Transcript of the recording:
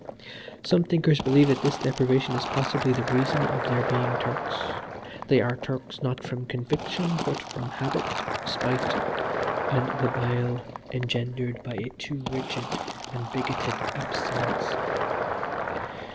Some thinkers believe that this deprivation is possibly the reason of their being Turks. They are Turks, not from conviction, but from habit, spite, and the bile engendered by a too rigid and bigoted abstinence.